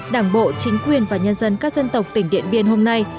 đảng bộ chính quyền và nhân dân các dân tộc tỉnh điện biên hôm nay